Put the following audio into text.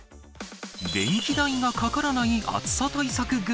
電気代がかからない暑さ対策